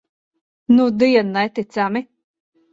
Nudien neticami.